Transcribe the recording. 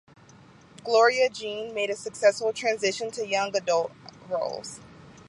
Gloria Jean made a successful transition to young adult roles.